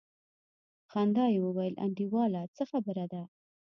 په خندا يې وويل انډيواله څه خبره ده.